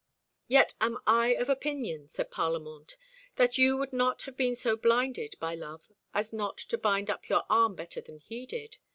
"Yet am I of opinion," said Parlamente, "that you would not have been so blinded by love as not to bind up your arm better than he did.